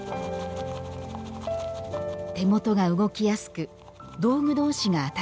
手元が動きやすく道具同士が当たらない。